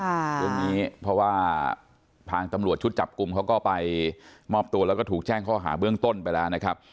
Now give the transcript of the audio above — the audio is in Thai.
เรื่องนี้เพราะว่าทางตำรวจชุดจับกลุ่มเขาก็ไปมอบตัวแล้วก็ถูกแจ้งข้อหาเบื้องต้นไปแล้วนะครับ